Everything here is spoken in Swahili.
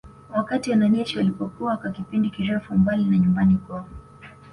Wakati wanajeshi walipokuwa kwa kipindi kirefu mbali na nyumbani kwao